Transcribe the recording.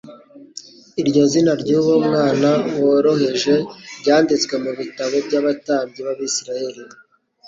iryo zina ry'uwo mwana woroheje ryanditswe mu bitabo by'abatambyi b'Abisiraeli